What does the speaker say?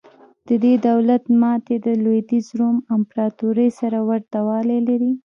د دې دولت ماتې د لوېدیځ روم امپراتورۍ سره ورته والی لري.